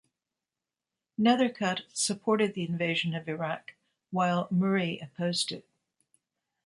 Nethercutt supported the invasion of Iraq, while Murray opposed it.